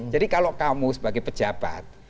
jadi kalau kamu sebagai pejabat